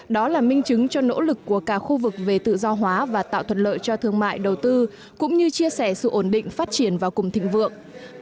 đó là minh chứng cho nỗ lực của cả khu vực về tự do hóa và tạo thuận lợi cho thương mại đầu tư cũng như chia sẻ sự ổn định phát triển và cùng thịnh vượng